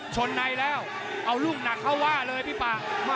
ชนในแล้วเอาลูกหนักเข้าว่าเลยพี่ป่า